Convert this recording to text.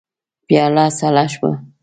پياله سړه شوه.